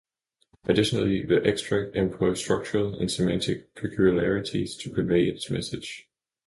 Additionally, the extract employs structural and semantic peculiarities to convey its message.